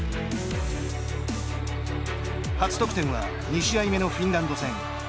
初得点は２試合目のフィンランド戦。